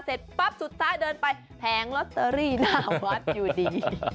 เสร็จปั๊บสุดท้ายเดินไปแผงลอตเตอรี่หน้าวัดอยู่ดี